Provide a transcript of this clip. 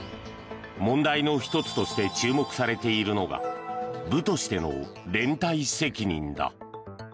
問題の１つとして注目されているのが部としての連帯責任だ。